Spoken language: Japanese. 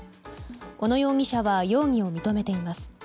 小野容疑者は容疑を認めています。